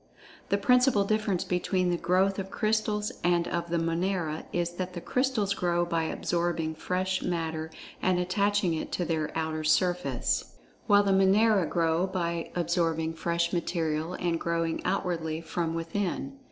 The principal difference between the growth of crystals and of the Monera, is that the[Pg 52] Crystals grow by absorbing fresh matter and attaching it to their outer surface, while the Monera grow by absorbing fresh material and growing outwardly, from within.